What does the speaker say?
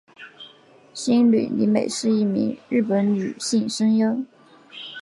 兴梠里美是一名日本女性声优。